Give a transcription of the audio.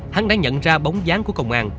hắn đã nhận ra bóng dáng của công an